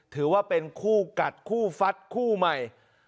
ถือว่าเป็นคู่กัดคู่ฟัดคู่ใหม่